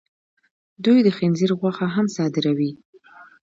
دوی د خنزیر غوښه هم صادروي.